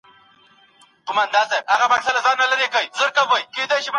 تاریخي ښارونو خپل پخوانی جوړښت ساتلی و.